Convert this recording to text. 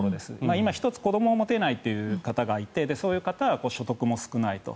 今１つ子どもを持てないという方がいてそういう方は所得も少ないと。